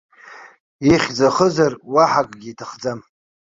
Ихьӡ ахызар, уаҳа акагьы иҭахӡам.